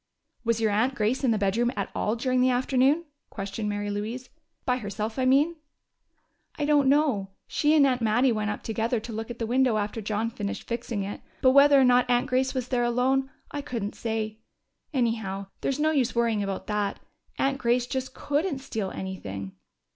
"Was your aunt Grace in the bedroom at all during the afternoon?" questioned Mary Louise. "By herself, I mean?" "I don't know. She and Aunt Mattie went up together to look at the window after John finished fixing it, but whether or not Aunt Grace was there alone, I couldn't say. Anyhow, there's no use worrying about that. Aunt Grace just couldn't steal anything."